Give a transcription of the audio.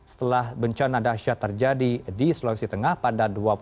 setelah bencana dahsyat terjadi di sulawesi tengah pada dua puluh